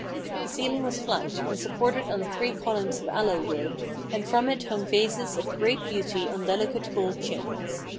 The ceiling was flat, and supported on three columns of aloe wood, and from it hung vases of great beauty on delicate gold chains.